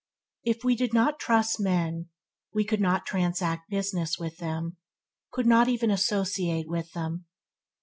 If we did not trust men, we could not transact business with them, could not even associate with them.